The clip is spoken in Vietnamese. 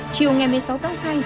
chiều ngày một mươi sáu tháng hai